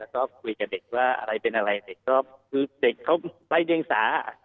คุยกับเด็กว่าอะไรเป็นอะไรเด็กเขาไร้เดียงสา